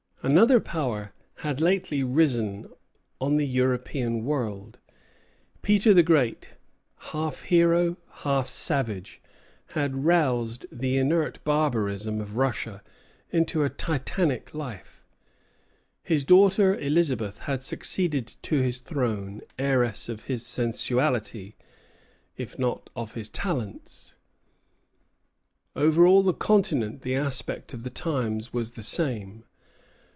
Another power had lately risen on the European world. Peter the Great, half hero, half savage, had roused the inert barbarism of Russia into a titanic life. His daughter Elizabeth had succeeded to his throne, heiress of his sensuality, if not of his talents. Over all the Continent the aspect of the times was the same.